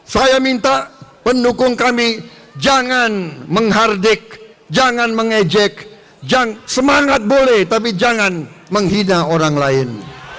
saya minta pendukung kami jangan menghardik jangan mengejek semangat boleh tapi jangan menghina orang lain